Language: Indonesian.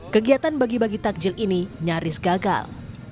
kegiatan bagi bagi takjil ini nyaris gagal